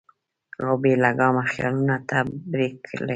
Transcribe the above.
او بې لګامه خيالونو ته برېک لګوي -